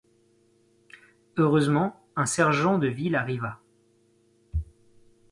Heureusement un sergent de ville arriva.